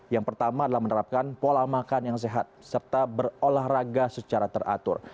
yang pertama adalah menerapkan pola makan yang sehat serta berolahraga secara teratur